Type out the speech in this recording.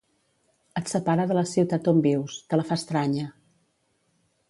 Et separa de la ciutat on vius, te la fa estranya.